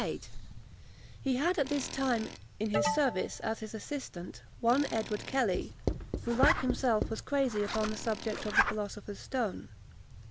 ] He had at this time in his service, as his assistant, one Edward Kelly, who, like himself, was crazy upon the subject of the philosopher's stone.